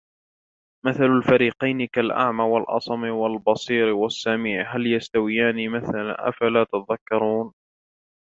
مثل الفريقين كالأعمى والأصم والبصير والسميع هل يستويان مثلا أفلا تذكرون